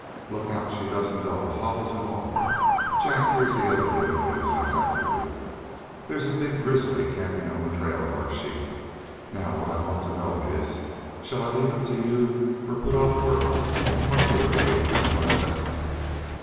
"Look out she doesn't go, hobbles and all. Jack, here's the other bit of news I have for you. There's a big grizzly camping on the trail of our sheep. Now what I want to know is shall I leave him to you, or put off work and come up here to wait for him myself?"